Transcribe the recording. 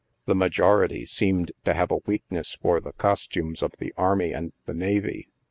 The majority seemed to have a weakness for the costumes of the army and the navy.